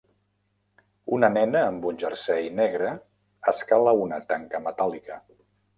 Una nena amb un jersei negre escala una tanca metàl·lica.